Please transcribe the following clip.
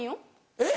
えっ？